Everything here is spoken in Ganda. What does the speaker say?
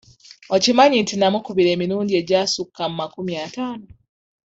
Okimanyi nti nnamukubira emirundi egyasukka mu makumi ataano?